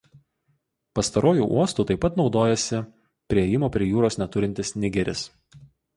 Pastaruoju uostu taip pat naudojasi priėjimo prie jūros neturintis Nigeris.